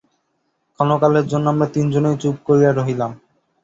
ক্ষণকালের জন্য আমরা তিন জনেই চুপ করিয়া রহিলাম।